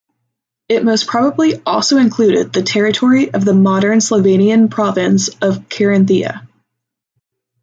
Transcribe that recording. It most probably also included the territory of the modern Slovenian province of Carinthia.